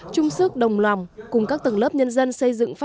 chung sức đồng lòng cùng các tầng lĩnh